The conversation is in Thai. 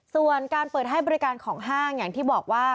ส่วนการเปิดให้บริการของห้างอย่างที่บอกว่า